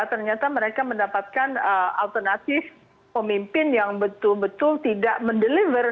ternyata mereka mendapatkan alternatif pemimpin yang betul betul tidak mendeliver